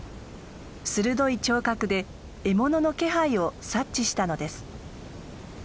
鋭い聴覚で獲物の気配を察知したのです。